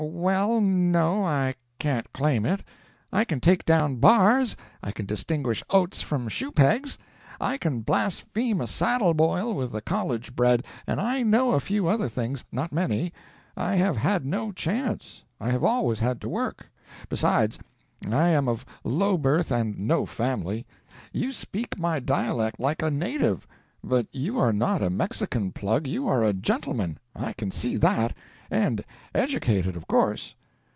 "Well, no, I can't claim it. I can take down bars, I can distinguish oats from shoe pegs, I can blaspheme a saddle boil with the college bred, and I know a few other things—not many; I have had no chance, I have always had to work; besides, I am of low birth and no family. You speak my dialect like a native, but you are not a Mexican Plug, you are a gentleman, I can see that; and educated, of course."